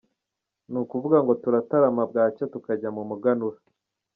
Ni ukuvuga ngo turatarama bwacya tukajya mu muganura.